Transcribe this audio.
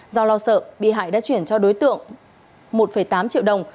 do lo sợ bị hại đã chuyển cho đối tượng một tám triệu đồng